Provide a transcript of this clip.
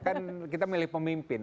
kan kita milih pemimpin